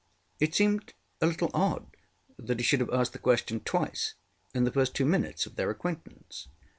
ŌĆØ It seemed a little odd that he should have asked the question twice in the first two minutes of their acquaintance.